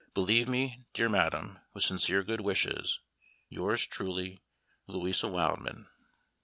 Believe me, dear madam, with sincere good wishes, "Yours truly, "LOUISA WILDMAN."